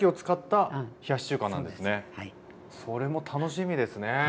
それも楽しみですねぇ。